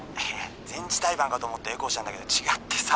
「前置胎盤かと思ってエコーしたんだけど違ってさ」